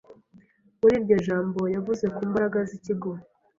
Muri iryo jambo, yavuze ku mbaraga z'ikigo.